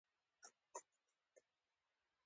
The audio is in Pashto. ایا ستاسو غوږونه اوریدل کوي؟